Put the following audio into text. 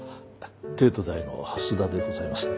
帝都大の須田でございます。